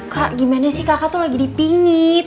kak gimana sih kakak tuh lagi dipingit